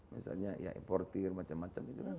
misalnya ya importer macam macam gitu kan